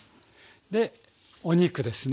でお肉ですね。